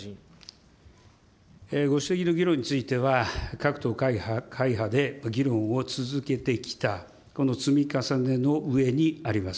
ご指摘の議論については、各党、会派で議論を続けてきた、この積み重ねのうえにあります。